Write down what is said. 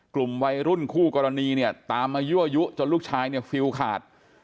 กลุ่มวัยรุ่นคู่กรณีเนี่ยตามมายั่วยุจนลูกชายเนี่ยฟิลขาด